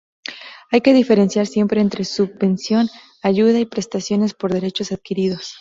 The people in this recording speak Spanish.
Hay que diferenciar siempre entre subvención, ayuda y prestaciones por derechos adquiridos.